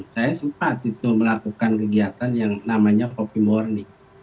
saya sempat itu melakukan kegiatan yang namanya copy warning